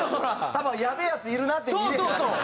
多分やべえヤツいるなって見れへん。